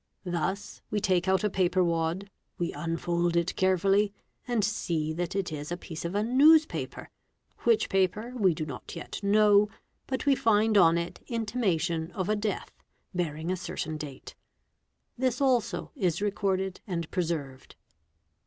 — Thus we take out a paper wad, we unfold it carefully and see that it is a piece of a newspaper—which paper we do not yet know, but we find on it intimation of a death bearing a certain date. This also is recorded and preserved.